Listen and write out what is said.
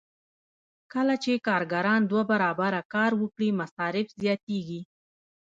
کله چې کارګران دوه برابره کار وکړي مصارف زیاتېږي